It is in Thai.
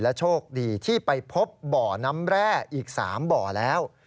โชคดีที่ไปพบบ่อน้ำแร่อีก๓บ่อแล้ว